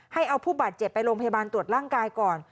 ให้เอาผู้บาดเจ็บไปโรงพยาบาลตรวจร่างกายก่อน